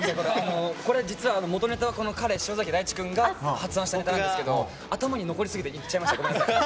これ、実は元ネタは塩崎太智君が発案したネタなんですけど頭に残りすぎて言っちゃいました。